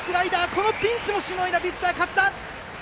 このピンチもしのいだピッチャーの勝田！